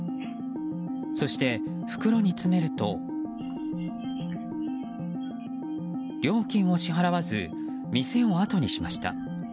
そして袋に詰めると、料金を支払わず店をあとにしました。